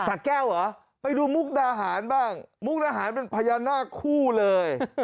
แก้วเหรอไปดูมุกดาหารบ้างมุกดาหารเป็นพญานาคคู่เลย